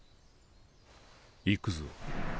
行くぞ。